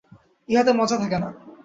ইহাতে মজা থাকে না।